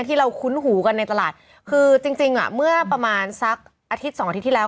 ที่เราคุ้นหูกันในตลาดคือจริงจริงอ่ะเมื่อประมาณสักอาทิตย์สองอาทิตย์ที่แล้ว